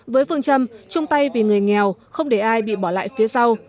với phương châm chung tay vì người nghèo không để ai bị bỏ lại phía sau